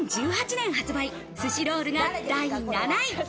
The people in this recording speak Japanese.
２０１８年発売、寿司ロールが第７位。